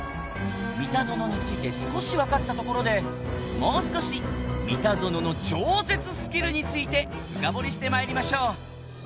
ミタゾノについて少しわかったところでもう少しミタゾノの超絶スキルについて深掘りして参りましょう